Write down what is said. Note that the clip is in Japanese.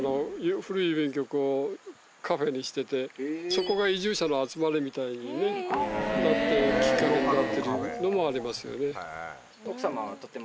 そこが移住者の集まりみたいになってきっかけになってるのもありますよね。